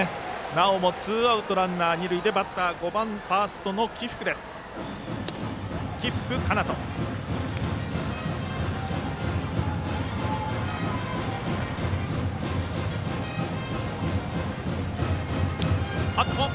なおもツーアウトランナー、二塁でバッター、５番ファーストの来福奏登です。